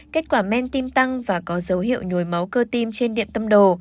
kết quả men tim tăng và có dấu hiệu nhồi máu cơ tim trên điện tâm đồ